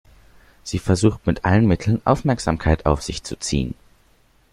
Sie versucht mit allen Mitteln, Aufmerksamkeit auf sich zu ziehen.